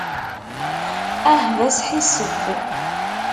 Ah, d asḥissef.